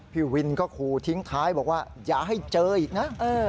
พี่วินก็ขู่ทิ้งท้ายบอกว่าอย่าให้เจออีกนะ